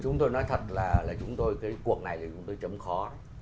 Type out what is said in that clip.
chúng tôi nói thật là chúng tôi cái cuộc này thì chúng tôi chấm khó